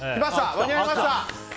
間に合いました。